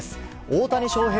大谷翔平